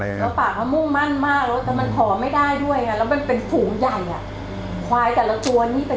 แล้วป่าเขามุ่งมั่นมากแล้วแต่มันหอมไม่ได้ด้วยอะแล้วมันเป็นฝูงใหญ่อะ